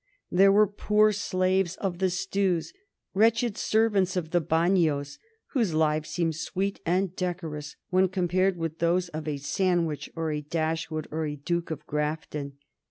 There were poor slaves of the stews, wretched servants of the bagnios, whose lives seem sweet and decorous when compared with those of a Sandwich or a Dashwood or a Duke of Grafton.